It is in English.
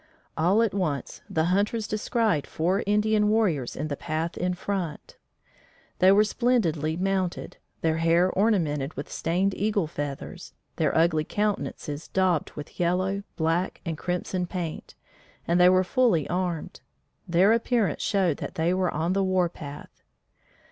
All at once, the hunters descried four Indian warriors in the path in front. They were splendidly mounted, their hair ornamented with stained eagle feathers, their ugly countenances daubed with yellow, black and crimson paint, and they were fully armed. Their appearance showed they were on the war path.